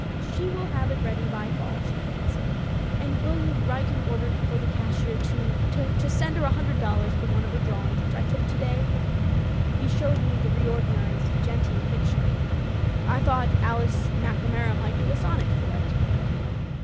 She will have it ready by fall, she thinks — ^and will you write an order for the cashier to — ^to send her a hundred dollars for one of her drawings which I took to day?" He showed me the reorganized gentian picture. " I thought Alice MacNamara might do a sonnet for it.''